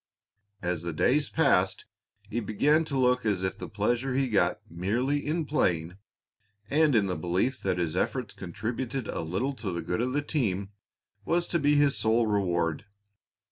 As the days passed it began to look as if the pleasure he got merely in playing and in the belief that his efforts contributed a little to the good of the team was to be his sole reward.